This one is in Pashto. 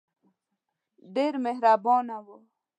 ډېر مهربانه وو.